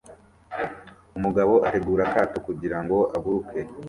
Umugabo ategura akato kugirango aguruke